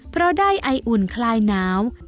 เพราะได้ไออุ่นคลายหนาว